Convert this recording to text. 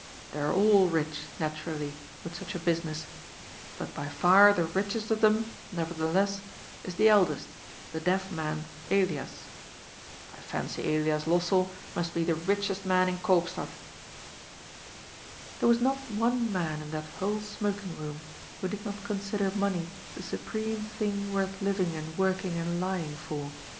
They are all rich, naturally, with such a busi ness, but by far the richest of them, nevertheless, is the eldest, the deaf man Elias. I fancy Elias Lossell must be the richest man in Koopstad." There was not one man in that whole smoking room who did not consider money the supreme thing worth living and working and lying for.